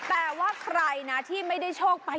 แต่ว่าใครนะที่ไม่ได้โชคไป